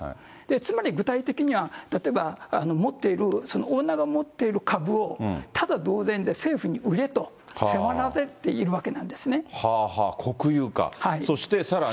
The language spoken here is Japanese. つまり、具体的には、例えば持っている、オーナーが持ってる株をただ同然で政府に売れと迫られているわけ国有化。